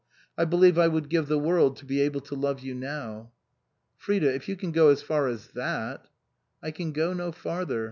I believe I would give the world to be able to love you now." " Frida, if you can go as far as that "" I can go no farther.